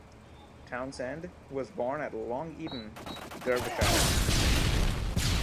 Townsend was born at Long Eaton, Derbyshire.